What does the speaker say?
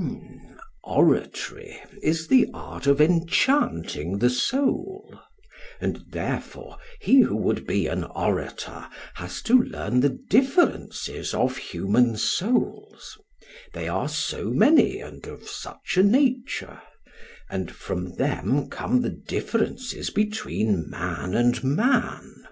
SOCRATES: Oratory is the art of enchanting the soul, and therefore he who would be an orator has to learn the differences of human souls they are so many and of such a nature, and from them come the differences between man and man.